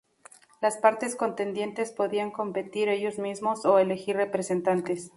Las partes contendientes podían competir ellos mismos o elegir representantes.